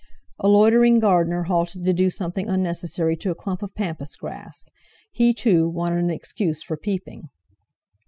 A loitering gardener halted to do something unnecessary to a clump of pampas grass; he, too, wanted an excuse for peeping.